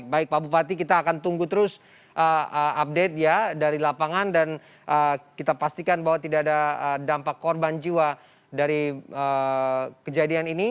baik pak bupati kita akan tunggu terus update ya dari lapangan dan kita pastikan bahwa tidak ada dampak korban jiwa dari kejadian ini